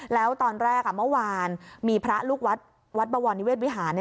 แล้วตอนแรกเมื่อวานมีพระลูกวัดวัดบวรนิเวศวิหาร